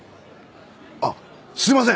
あっすいません！